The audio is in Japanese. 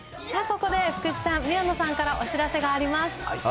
ここで福士さん、宮野さんからお知らせがあります。